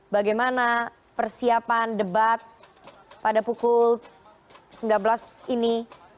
bagaimana persiapan debat pada pukul sembilan belas ini